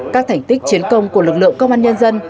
các thành tích chiến công của lực lượng công an nhân dân